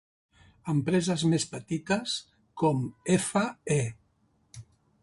Empreses més petites com f.e.